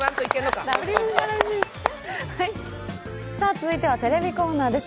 続いてはテレビコーナーです。